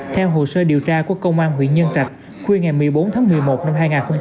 theo hồ sơ điều tra của công an huyện nhân trạch khuya ngày một mươi bốn tháng một mươi một năm hai nghìn hai mươi ba